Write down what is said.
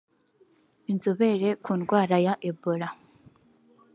inzobere ku ndwara ya Ebola